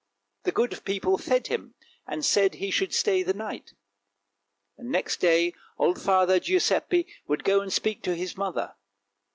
The good people fed him, and said he should stay the night. Next day old Father Giuseppe would go and speak to his mother.